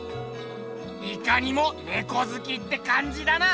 いかにもネコずきってかんじだな。